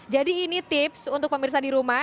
ini tips untuk pemirsa di rumah